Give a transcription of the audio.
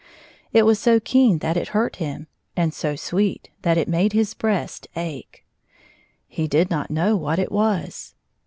It was so keen that it hurt him, and so sweet that it made his breast ache. He did not know what it was.